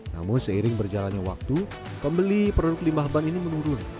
namun seiring berjalannya waktu pembeli produk limbah ban ini menurun